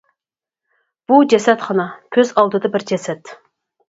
بۇ جەسەتخانا، كۆز ئالدىدا بىر جەسەت.